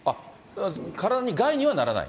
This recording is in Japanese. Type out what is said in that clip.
体に害にはならない？